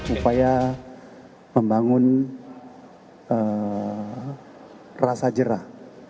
upaya membangun rasa jerah